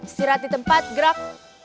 istirahat di tempat gerak